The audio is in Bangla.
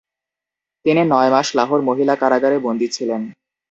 তিনি নয় মাস লাহোর মহিলা কারাগারে বন্দী ছিলেন।